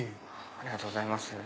ありがとうございます。